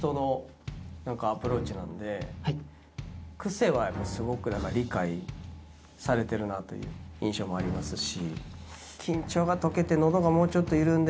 癖はすごく理解されてるなという印象もありますし。